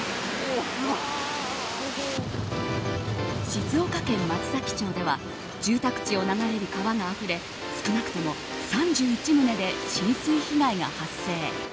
静岡県松崎町では住宅地を流れる川があふれ少なくとも３１棟で浸水被害が発生。